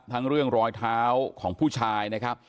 พีชทั้งเรื่องรอยขาวของผู้ชายนะครับ